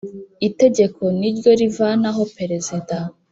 itegeko niryo rivanaho perezida